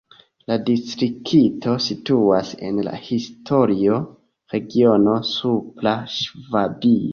La distrikto situas en la historia regiono Supra Ŝvabio.